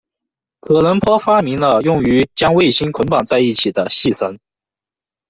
可伦坡发明了用于将卫星捆绑在一起的系绳。